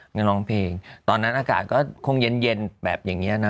ไปร้องเพลงตอนนั้นอากาศก็คงเย็นแบบอย่างนี้นะ